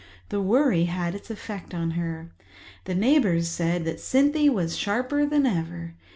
The worry had its effect on her. The neighbours said that Cynthy was sharper than ever.